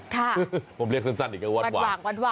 ค่ะผมเรียกสั้นอีกนะวัดหว่างวัดหว่างวัดหว่าง